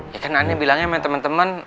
ya kan ani bilangnya sama temen temen